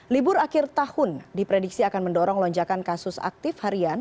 libur akhir tahun diprediksi akan mendorong lonjakan kasus aktif harian